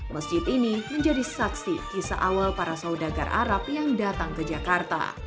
masjid ini menjadi saksi kisah awal para saudagar arab yang datang ke jakarta